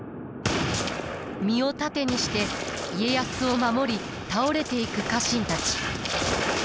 身を盾にして家康を守り倒れていく家臣たち。